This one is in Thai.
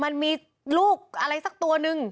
มันมีลูกอะไรสักตัวนึง